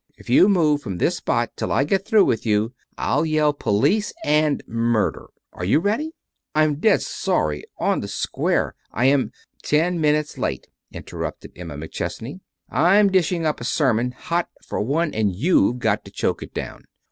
If you move from this spot till I get through with you, I'll yell police and murder. Are you ready?" "I'm dead sorry, on the square, I am " "Ten minutes late," interrupted Emma McChesney. "I'm dishing up a sermon, hot, for one, and you've got to choke it down.